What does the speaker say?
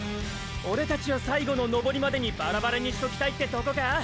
オレたちを最後の登りまでにバラバラにしときたいってトコか泉田！！